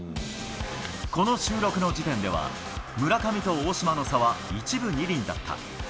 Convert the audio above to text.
この収録の時点では、村上と大島の差は１分２厘だった。